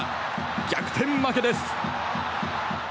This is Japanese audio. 逆転負けです。